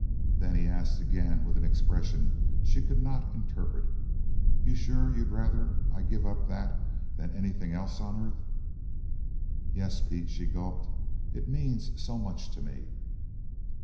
Then he asked again with an expression she could not interpret, "You're sure you'd ruther I give up that than anything else on earth?" "Yes, Pete!" she gulped. "It means so much to me."